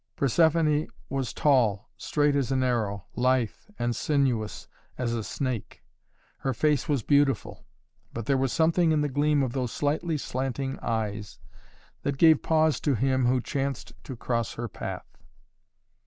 Persephoné was tall, straight as an arrow, lithe and sinuous as a snake. Her face was beautiful, but there was something in the gleam of those slightly slanting eyes that gave pause to him who chanced to cross her path.